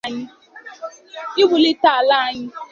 Iwulite Ala Anyị